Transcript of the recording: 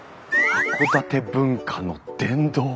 函館文化の殿堂！？